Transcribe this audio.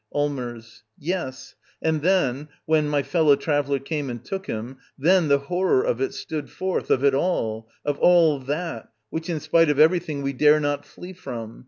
Allmers. Yes. And then, when — my fellow traveller came and took him — then the horror of it stood forth — of it all — of all that — which, in spite of everything, we dare not flee from.